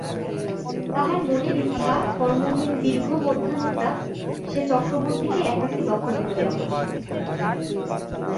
তাহার মনের ইচ্ছা, কর্মহীন দীর্ঘমধ্যাহ্নটা সে চক্রবর্তীকে একাকী দখল করিয়া বসে।